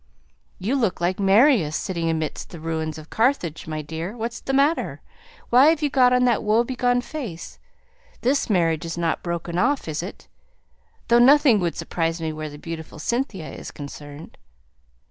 "You look like Marius sitting amidst the ruins of Carthage, my dear! What's the matter? Why have you got on that wobegone face? This marriage isn't broken off, is it? Though nothing would surprise me where the beautiful Cynthia is concerned."